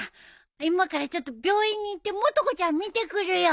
今からちょっと病院に行ってもと子ちゃん見てくるよ。